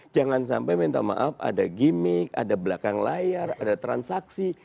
jangan sampai minta maaf ada gimmick ada belakang layar ada transaksi